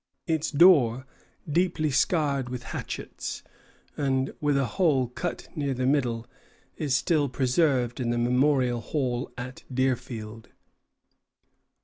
Its door, deeply scarred with hatchets, and with a hole cut near the middle, is still preserved in the Memorial Hall at Deerfield.